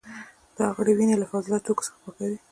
دا غړي وینه له فاضله توکو څخه پاکوي.